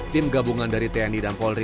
tim gabungan dari tni dan polri